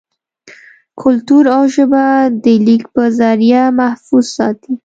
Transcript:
کلتور او ژبه دَليک پۀ زريعه محفوظ ساتي